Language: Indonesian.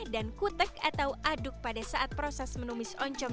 dan kutek atau aduk pada saat proses menumis oncom